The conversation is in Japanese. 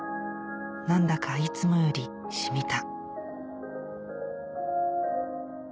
何だかいつもより染みた